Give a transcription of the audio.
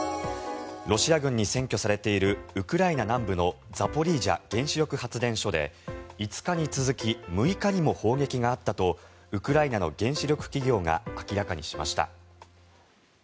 ロシア軍に占拠されているウクライナ南部のザポリージャ原子力発電所で５日に続き６日にも砲撃があったとウクライナの原子力企業が明らかにしました。